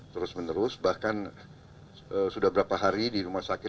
terus menerus bahkan sudah berapa hari di rumah sakit